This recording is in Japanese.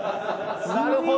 なるほど。